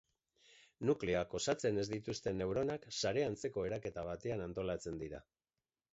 Nukleoak osatzen ez dituzten neuronak sare-antzeko eraketa batean antolatzen dira.